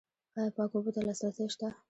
آیا پاکو اوبو ته لاسرسی شته؟